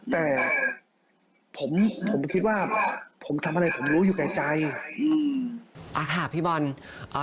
แต่ผมผมคิดว่าผมทำอะไรผมรู้อยู่แก่ใจอืมอ่าค่ะพี่บอลอ่า